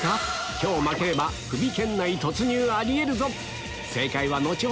今日負ければクビ圏内突入あり得るぞ！